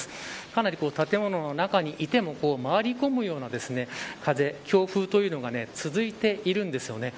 かなり、建物の中にいても回り込むような風強風というのが続いているんですよね。